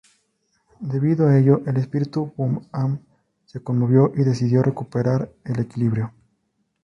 Debido a ello el espíritu Pu-am se conmovió, y decidió recuperar el equilibrio.